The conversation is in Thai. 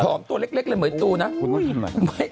ทอมพวกเล็กเลยเมยตูนะ